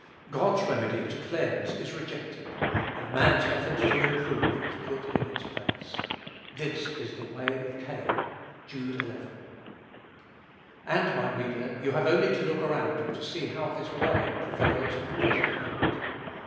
God's remedy to cleanse is rejected, and man's effort to improve is put in its place. This is "the way of Cain." (Jude 11.) And, my reader, you have only to look around you to see how this "way" prevails at the present moment.